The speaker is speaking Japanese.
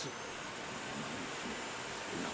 それがお前の使命だ。よいな。